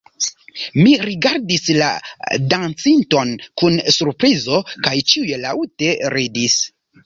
Mi rigardis la dancinton kun surprizo kaj ĉiuj laŭte ridis.